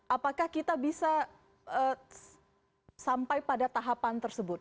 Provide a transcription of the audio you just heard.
apakah kita bisa sampai pada tahapan tersebut